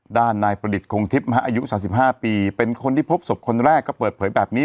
ด้านนายประดิษฐคงทิพย์อายุ๓๕ปีเป็นคนที่พบศพคนแรกก็เปิดเผยแบบนี้